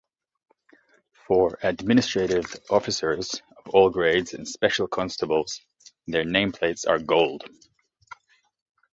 For administrative officers of all grades and Special Constables, their name plates are gold.